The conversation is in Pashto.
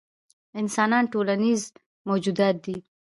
انسانان ټولنیز موجودات دي.